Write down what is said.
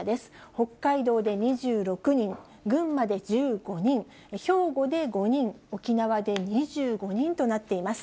北海道で２６人、群馬で１５人、兵庫で５人、沖縄で２５人となっています。